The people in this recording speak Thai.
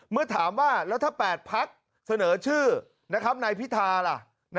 เมื่อถามว่าแล้วถ้า๘พักเสนอชื่อนายพิธาล่ะ